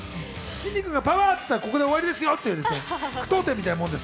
きんに君が「パワー！」って言ったら、ここで終わりですよっていう、句読点みたいなもんです。